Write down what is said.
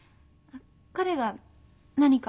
彼が何か？